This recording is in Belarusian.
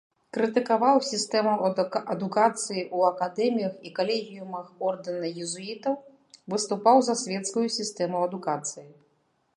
Крытыкаваў сістэму адукацыі ў акадэміях і калегіумах ордэна езуітаў, выступаў за свецкую сістэму адукацыі.